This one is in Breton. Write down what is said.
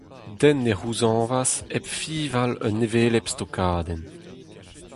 Den ne c'houzañvas hep fiñval un hevelep stokadenn…